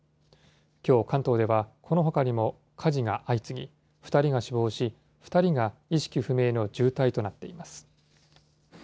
きょう関東では、このほかにも火事が相次ぎ、２人が死亡し、２人が意識不明の重体となっています。